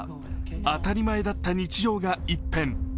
当たり前だった日常が一変。